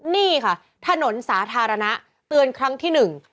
นี่ค่ะถนนสาธารณะเตือนครั้งที่หนึ่ง